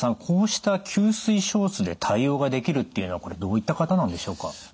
こうした吸水ショーツで対応ができるっていうのはこれどういった方なんでしょうか？